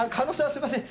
すいません。